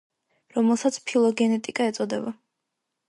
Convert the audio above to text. რომელსაც ფილოგენეტიკა ეწოდება.